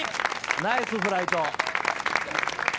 ナイスフライト！